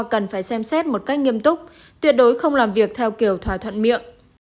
cần phải xem xét một cách nghiêm túc tuyệt đối không làm việc theo kiểu thỏa thuận miệng